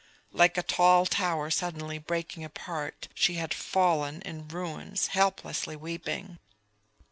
Like a tall tower suddenly breaking apart she had fallen in ruins, helplessly weeping.